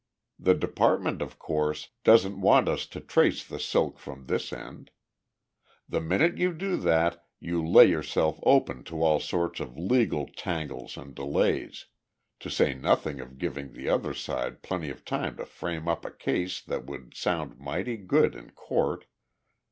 The department, of course, doesn't want us to trace the silk from this end. The minute you do that you lay yourself open to all sorts of legal tangles and delays to say nothing of giving the other side plenty of time to frame up a case that would sound mighty good in court.